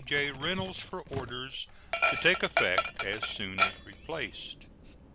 J. Reynolds for orders, to take effect as soon as replaced. III.